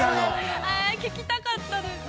◆聞きたかったです。